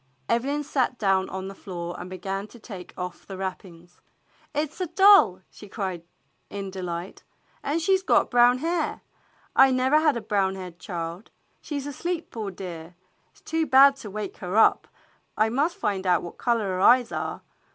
Evelyn sat down on the floor and began to take off the wrappings. "It is a doll !" she cried in delight. "And she 's got brown hair ! I never had a brown haired child. She 's asleep, poor dear; it's too bad to wake her up, but I must find out what color her eyes are.